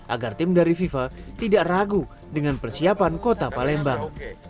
agar tim dari fifa tidak ragu dengan persiapan kota palembang